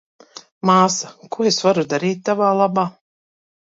Māsa, ko es varu darīt tavā labā?